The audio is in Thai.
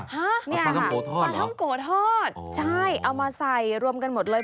ฮะปลาท่องโกทอดเหรอปลาท่องโกทอดใช่เอามาใส่รวมกันหมดเลย